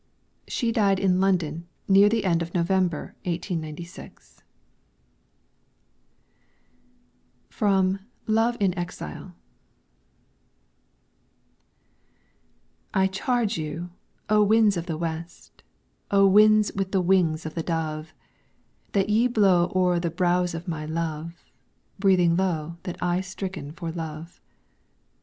She died in London near the end of November, 1896. FROM 'LOVE IN EXILE' I charge you, O winds of the West, O winds with the wings of the dove, That ye blow o'er the brows of my Love, breathing low that I sicken for love.